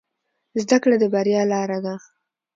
زده کړه د بریا لاره ده